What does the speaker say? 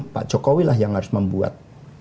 pak jokowi lah yang harus membuat